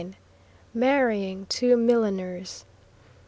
MARRYING TWO MILLINERS.